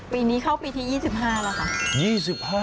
ปีนี้เข้าปีที่๒๕แล้วค่ะ